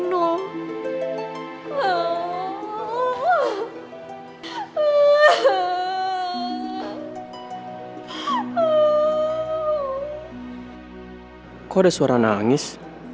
kok ada suara nangis